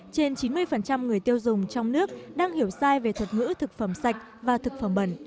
trên chín mươi người tiêu dùng trong nước đang hiểu sai về thuật ngữ thực phẩm sạch và thực phẩm bẩn